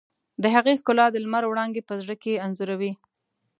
د هغې ښکلا د لمر وړانګې په زړه کې انځوروي.